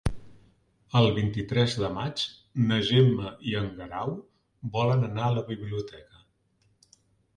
El vint-i-tres de maig na Gemma i en Guerau volen anar a la biblioteca.